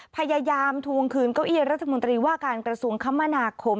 พยายามทวงคืนเก้าอี้รัฐมนตรีว่าการกระทรวงคมนาคม